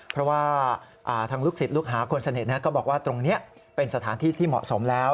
เพราะว่าทางลูกศิษย์ลูกหาคนสนิทก็บอกว่าตรงนี้เป็นสถานที่ที่เหมาะสมแล้ว